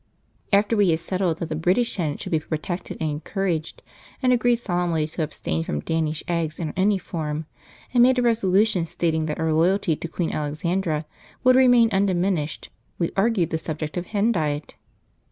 After we had settled that the British Hen should be protected and encouraged, and agreed solemnly to abstain from Danish eggs in any form, and made a resolution stating that our loyalty to Queen Alexandra would remain undiminished, we argued the subject of hen diet.